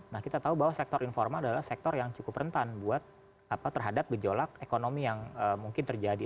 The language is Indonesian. nah kita tahu bahwa sektor informal adalah sektor yang cukup rentan terhadap gejolak ekonomi yang mungkin terjadi